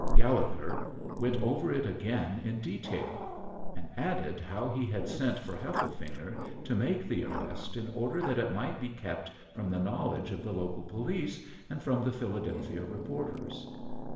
Gallegher went over it again in detail, and added how he had sent for Hefflefinger to make the arrest in order that it might be kept from the knowledge of the local police and from the Philadelphia reporters.